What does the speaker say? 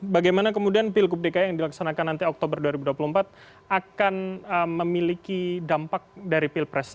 bagaimana kemudian pilgub dki yang dilaksanakan nanti oktober dua ribu dua puluh empat akan memiliki dampak dari pilpres